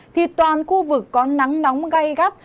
thì toàn khu vực có nắng nóng gây gắt